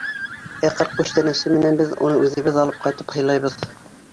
Ә ҡыр күстәнәсе менән беҙ уны үҙебеҙ алып ҡайтып һыйлайбыҙ.